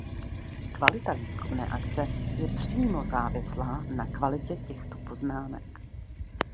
Kvalita výzkumné akce je přímo závislá na kvalitě těchto poznámek.